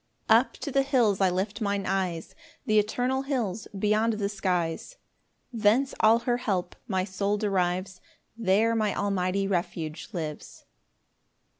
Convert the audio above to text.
1 Up to the hills I lift mine eyes, Th' eternal hills beyond the skies; Thence all her help my soul derives; There my Almighty refuge lives.